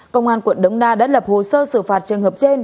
công an quận đống đa đã lập hồ sơ xử phạt trường hợp trên